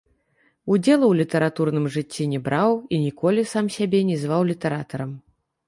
Удзелу ў літаратурным жыцці не браў і ніколі сам сябе не зваў літаратарам.